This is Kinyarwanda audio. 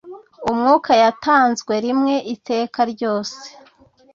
Umwuka yatanzwe rimwe iteka ryose